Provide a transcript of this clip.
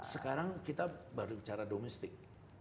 sekarang kita baru bicara domestik